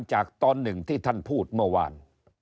ตอนหนึ่งที่ท่านพูดเมื่อวาน